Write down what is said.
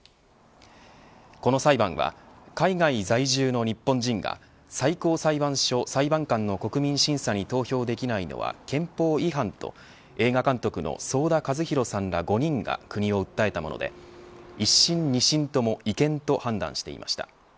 この裁判は海外在住の日本人が最高裁判所裁判官の国民審査に投票できないのは憲法違反と、映画監督の想田和弘さんら５人が国を訴えたもので一審、二審とも違憲と判断していました。